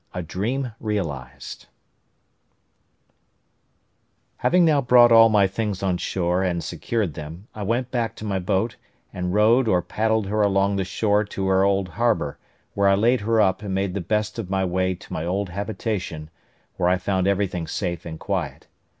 A DREAM REALISED Having now brought all my things on shore and secured them, I went back to my boat, and rowed or paddled her along the shore to her old harbour, where I laid her up, and made the best of my way to my old habitation, where I found everything safe and quiet.